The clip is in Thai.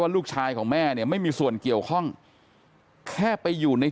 ลูกชายของแม่เนี่ยไม่มีส่วนเกี่ยวข้องแค่ไปอยู่ใน